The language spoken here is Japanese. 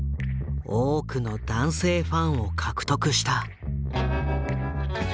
多くの男性ファンを獲得した。